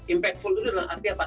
impact full itu dalam arti apa